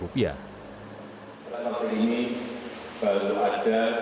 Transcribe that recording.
bisa dua jam bisa tiga jam